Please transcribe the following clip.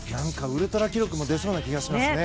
ウルトラ記録も出そうな気がしますね。